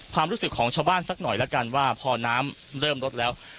ความรู้สึกของชาวบ้านสักหน่อยแล้วกันว่าพอน้ำเริ่มลดแล้ว